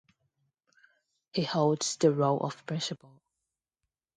He holds the role of Principal.